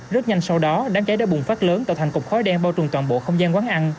rất nhanh sau đó đám cháy đã bùng phát lớn tạo thành cục khói đen bao trùm toàn bộ không gian quán ăn